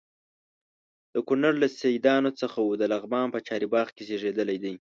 د کونړ له سیدانو څخه و د لغمان په چارباغ کې زیږېدلی دی.